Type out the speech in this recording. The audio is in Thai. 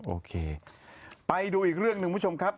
โอเคไปดูอีกเรื่องหนึ่งคุณผู้ชมครับ